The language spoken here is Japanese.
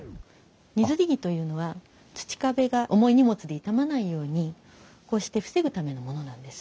荷摺木というのは土壁が重い荷物で傷まないようにこうして防ぐためのものなんです。